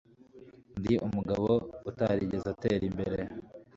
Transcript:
Ndi umugabo utarigeze atera imbere